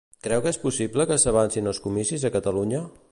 Creu que és possible que s'avancin els comicis a Catalunya?